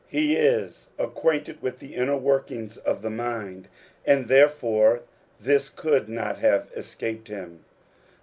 He is acquainted with the inner workings of the mind, and therefore this could not have escaped him.